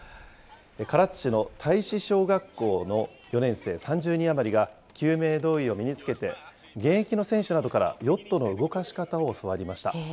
唐津市の大志小学校の４年生３０人余りが、救命胴衣を身につけて、現役の選手などからヨットの動かし方を教わりました。